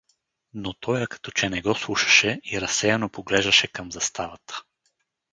Но тоя като че не го слушаше и разсеяно поглеждаше към заставата.